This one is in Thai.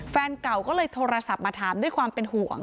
แฟนเก่าก็เลยโทรศัพท์มาถามด้วยความเป็นห่วง